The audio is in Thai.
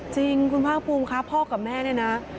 จริงคุณภาคภูมิคะพ่อกับแม่เนี่ยนะ